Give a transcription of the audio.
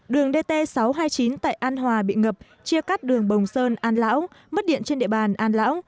đường dt sáu trăm hai mươi chín tại an hòa bị ngập chia cắt đường bồng sơn an lão mất điện trên địa bàn an lão